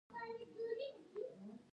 ملګري مې غږ وکړ چې هلته څوک شته او که نه